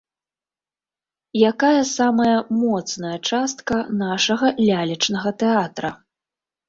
Якая самая моцная частка нашага лялечнага тэатра?